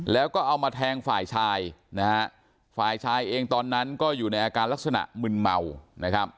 แล้วก็เอามาแทงฝ่ายชายนะฮะฝ่ายชายเองตอนนั้นก็อยู่ในอาการลักษณะมึนเมานะครับ